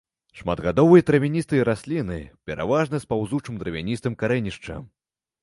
Шматгадовыя травяністыя расліны пераважна з паўзучым дравяністым карэнішчам.